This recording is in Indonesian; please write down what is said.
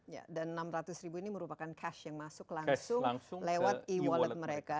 ya dan enam ratus ribu ini merupakan cash yang masuk langsung lewat e wallet mereka